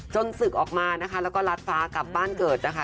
ศึกออกมานะคะแล้วก็ลัดฟ้ากลับบ้านเกิดนะคะ